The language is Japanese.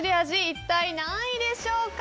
一体何位でしょうか？